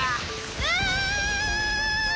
うわ！